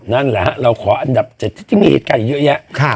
นั่นแหละฮะเราขออันดับ๗ที่มีเหตุการณ์อยู่เยอะแยะ